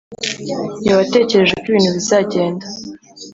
ntiwatekereje uko ibintu bizagenda,